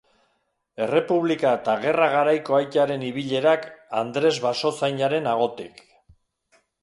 Errepublika eta gerra garaiko aitaren ibilerak, Andres basozainaren ahotik.